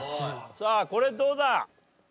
さあこれどうだ？